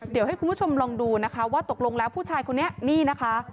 เดี๋ยวให้คุณผู้ชมลองดูนะคะว่าตกลงแล้วผู้ชายคนนี้นี่นะคะ